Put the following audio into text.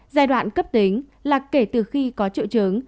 giai đoạn cấp tính là kể từ khi có triệu chứng